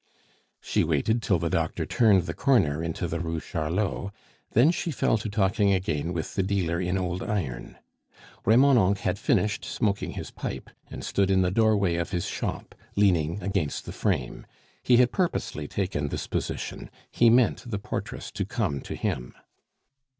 She waited till the doctor turned the corner into the Rue Charlot; then she fell to talking again with the dealer in old iron. Remonencq had finished smoking his pipe, and stood in the doorway of his shop, leaning against the frame; he had purposely taken this position; he meant the portress to come to him.